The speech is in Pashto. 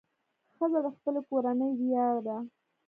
ښځه د خپلې کورنۍ ویاړ ده.